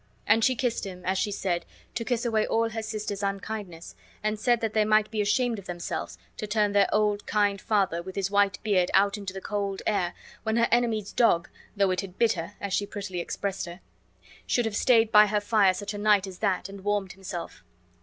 And she kissed him (as she said) to kiss away all her sisters' unkindness, and said that they might be ashamed of themselves, to turn their old kind father with his white beard out into the cold air, when her enemy's dog, though it had bit her (as she prettily expressed it), should have stayed by her fire such a night as that, and warmed himself.